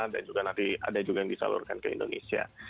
dan juga nanti ada juga yang disalurkan ke indonesia